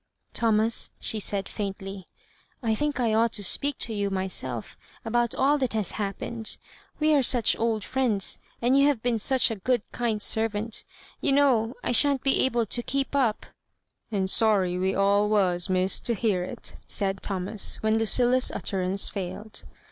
"Thomas," she said, faintly, <* I think I ought to speak to you m3rBelf about all that has happen* ed — we are such old friends, and you have been such a good kind servant You know I shan't be able to keep up—" *' And sorry we all was, Miss, to hear it,'' said Thomas, when Lucilla*s utterance failed.